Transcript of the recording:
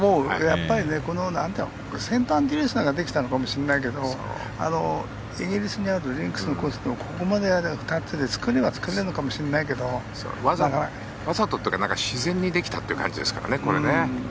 やっぱりセントアンドリュースができたのかもしれないけどイギリスにあるリンクスのコースはここまでの作りは作れるのかもしれないけど。わざとというか自然にできたという感じですかね。